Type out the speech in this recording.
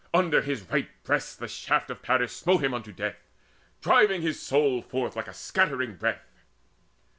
Under his right breast The shaft of Paris smote him unto death, Driving his soul forth like a scattering breath.